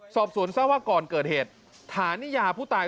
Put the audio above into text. ศอบสวนทราวะกรเกิดเหตุฐานิยาผู้ตาย